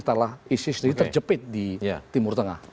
setelah isis ini terjepit di timur tengah